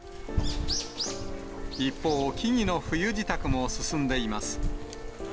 一方、木々の冬支度も進んでいます。